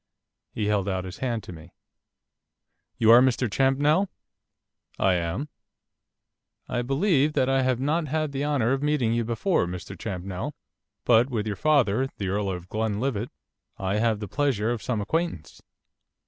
He held out his hand to me. 'You are Mr Champnell?' 'I am.' 'I believe that I have not had the honour of meeting you before, Mr Champnell, but with your father, the Earl of Glenlivet, I have the pleasure of some acquaintance.